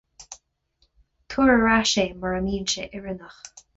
Tabhair ar ais é mura mbíonn sé oiriúnach.